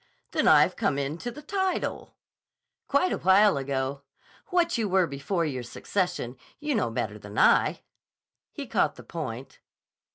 Then I've come into the title." "Quite a while ago. What you were before your succession, you know better than I." He caught the point.